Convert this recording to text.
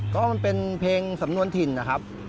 ก็มันเป็นเพลงสำนวนถิ่นนะครับ